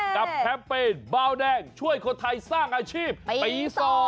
แคมเปญเบาแดงช่วยคนไทยสร้างอาชีพปี๒